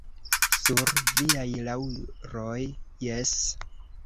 Sur viaj laŭroj, jes!